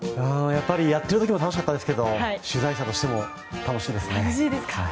やっぱりやっている時も楽しかったですが取材者としても楽しいですね。